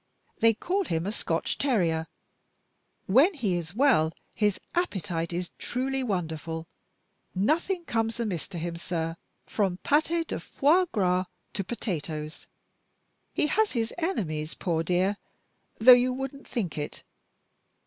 They call him a Scotch terrier. When he is well his appetite is truly wonderful nothing comes amiss to him, sir, from pate de foie gras to potatoes. He has his enemies, poor dear, though you wouldn't think it.